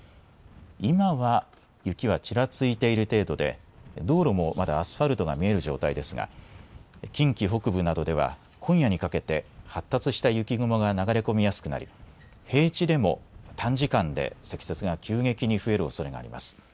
今は、雪はちらついている程度で道路もまだアスファルトが見える状態ですが近畿北部などでは今夜にかけて発達した雪雲が流れ込みやすくなり平地でも短時間で積雪が急激に増えるおそれがあります。